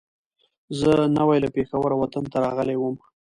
زه نوی له پېښوره وطن ته راغلی وم.